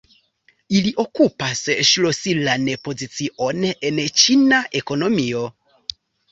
Ili okupas ŝlosilan pozicion en Ĉina ekonomio.